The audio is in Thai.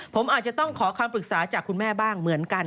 ผมอาจจะต้องขอคำปรึกษาจากคุณแม่บ้างเหมือนกัน